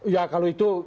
ya kalau itu